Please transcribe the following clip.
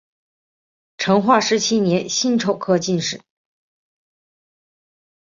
成化十七年辛丑科进士。